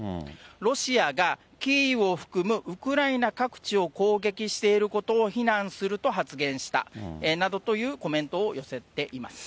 ロシアがキーウを含むウクライナ各地を攻撃していることを非難すると発言したなどというコメントを寄せています。